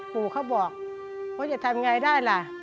ปู่เขาบอกว่าจะทำไงได้ล่ะ